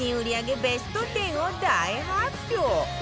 ベスト１０を大発表